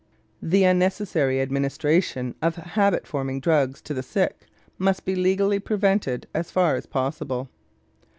The unnecessary administration of habit forming drugs to the sick must be legally prevented as far as possible.